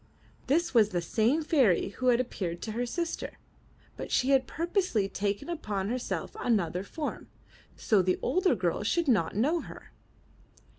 This was the same fairy who had appeared to her sister, but she had purposely taken upon herself another form, so the older girl should not know her.